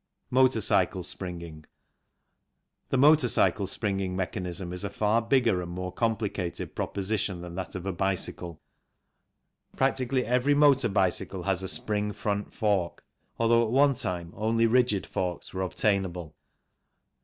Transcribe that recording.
Motor cycle Springing. The motor cycle springing mechanism is a far bigger and more complicated pro position than that of a bicycle. Practically every motor bicycle has a spring front fork, although at one time only rigid forks were obtainable.